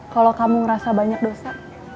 kalau kamu ngerasa banyak dosa